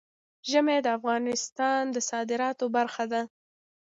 ژمی د افغانستان د صادراتو برخه ده.